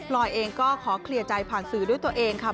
ลอยเองก็ขอเคลียร์ใจผ่านสื่อด้วยตัวเองค่ะ